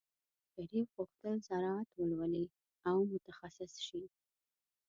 شریف غوښتل زراعت ولولي او متخصص شي.